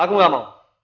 aku gak mau